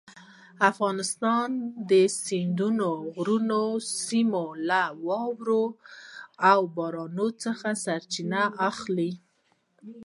د افغانستان سیندونه د غرنیو سیمو له واورو او بارانونو څخه سرچینه اخلي.